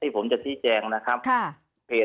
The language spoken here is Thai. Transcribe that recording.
ทีนี้วันอาทิตย์หยุดแล้วก็วันจันทร์ก็หยุด